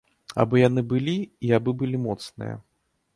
Абы яны былі і абы былі моцныя.